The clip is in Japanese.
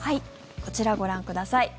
こちら、ご覧ください。